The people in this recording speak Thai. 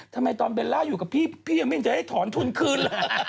ทำไมตอนเบลล่าอยู่กับพี่พี่ยังไม่เห็นจะได้ถอนทุนคืนล่ะ